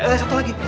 eh satu lagi